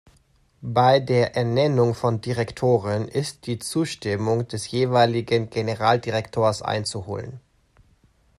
Bei der Ernennung von Direktoren ist die Zustimmung des jeweiligen Generaldirektors einzuholen.